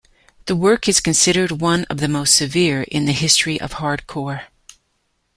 This work is considered one of the most severe in the history of hardcore.